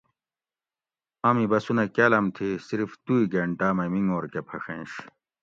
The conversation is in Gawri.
امی بسونہ کالاۤم تھی صرف دُوئی گۤھنٹاۤ مئی مِگور کہ پھڛینش